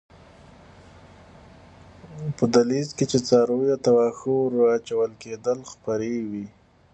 په دهلېز کې چې څارویو ته واښه ور اچول کېدل خپرې وې.